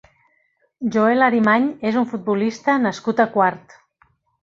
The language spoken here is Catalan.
Joel Arimany és un futbolista nascut a Quart.